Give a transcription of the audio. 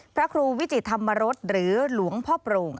พระครูวิจิตธรรมรสหรือหลวงพ่อโปร่ง